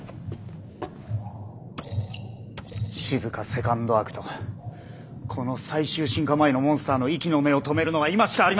しずかセカンドアクトこの最終進化前のモンスターの息の根を止めるのは今しかありません。